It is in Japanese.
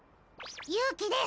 ゆうきです！